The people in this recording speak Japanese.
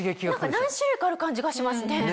何種類かある感じがしますね。